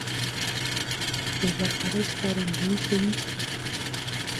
د برترۍ ښکارندويي کوي